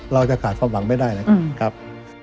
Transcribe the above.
เราจะขาดความหวังไม่ได้นะครับ